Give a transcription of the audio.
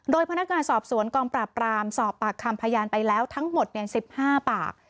โดยพนักงานสอบสวนกองปราบปรามสอบปากคำพยานไปแล้วทั้งหมด๑๕ปาก